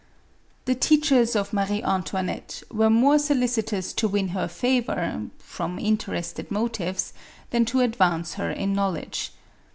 449 The teachers of Marie Antoinette were more solici tous to win her favor, from interested motives, than to advance her in knowledge.